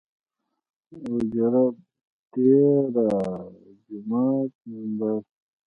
اوجره ، ديره ،جومات ،ممبر